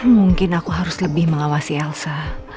mungkin aku harus lebih mengawasi elsa